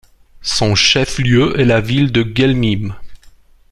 Son chef-lieu est la ville de Guelmim.